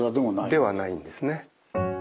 ではないんですね。